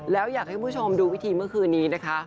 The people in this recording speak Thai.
แล้วอยากให้คุณผู้ชมดูวิธีเมื่อคืนนี้นะคะ